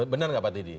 benar gak pak didi